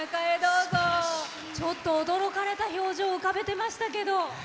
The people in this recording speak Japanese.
驚かれた表情を浮かべてましたけど。